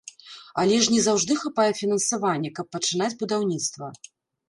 Але ж не заўжды хапае фінансавання, каб пачынаць будаўніцтва.